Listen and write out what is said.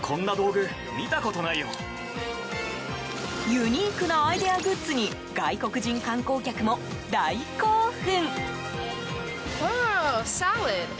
ユニークなアイデアグッズに外国人観光客も大興奮。